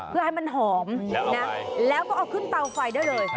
เพื่อให้มันหอมนะแล้วก็เอาขึ้นเตาไฟได้เลย